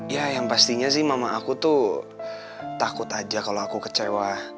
ya yang pastinya sih mama aku tuh takut aja kalau aku kecewa